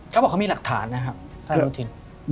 เขาบอกเขามีหลักฐานนะครับ